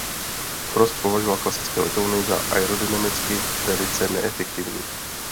Frost považoval klasické letouny za aerodynamicky velice neefektivní.